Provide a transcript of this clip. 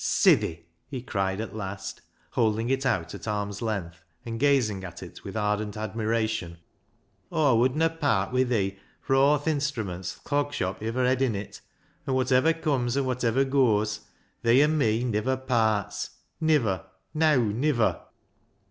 " Sithi," he cried at last, holding it out at arm's length and gazing at it with ardent admiration, " Aw wodna part wi' thi fur aw th' instruments th' Clog Shop iver hed in it, an' wotiver comes an' wotiver goos, thee and me niver parts — niver, neavv niver